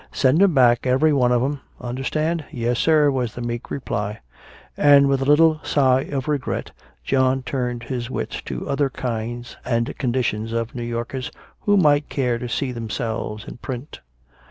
"Send 'em back, every one of 'em! Understand?" "Yes, sir," was the meek reply. And with a little sigh of regret John turned his wits to other kinds and conditions of New Yorkers who might care to see themselves in print.